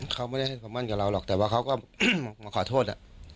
เขาก็มาขอโทษ